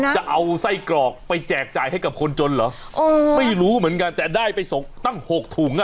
จะเอาไส้กรอกไปแจกจ่ายให้กับคนจนเหรอไม่รู้เหมือนกันแต่ได้ไปส่งตั้งหกถุงนะ